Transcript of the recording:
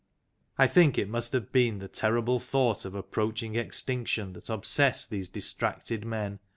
I think it must have been the terrible thought of approaching extinction that obsessed these distracted men.